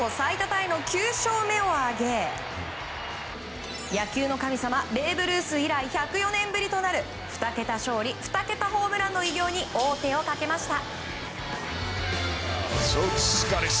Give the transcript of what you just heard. タイの９勝目を挙げ野球の神様ベーブ・ルース以来１０４年ぶりとなる２桁勝利２桁ホームランの偉業に王手をかけました。